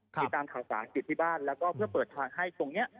ติดตามข่าวสารอยู่ที่บ้านแล้วก็เพื่อเปิดทางให้ตรงนี้